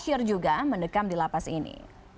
banjir juga mendekam di lapas ini